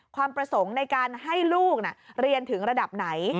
ความประสงค์ในการให้ลูกเรียนถึงระดับไหน